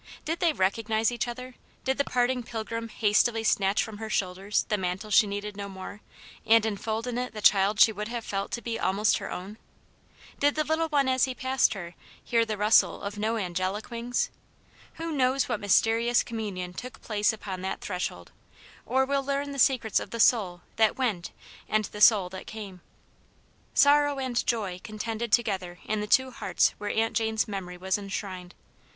Did they re cognize each other } Did the parting pilgrim hastily snatch from her shoulders the mantle she needed no more, and enfold in it the child she would have felt to be almost her own ? Did the little one as he passed her hear the rustle of no angelic wings ? Who knows what mysterious communion took place upon that threshold, or will learn the secrets of the soul that went and the soul that came ? Sorrow and joy contended together in the two 252 Aunt Janets Hero. hearts where Aunt Jane's memory was enshrined.